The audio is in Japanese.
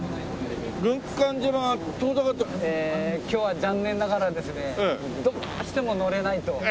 今日は残念ながらですねどうしても乗れないと。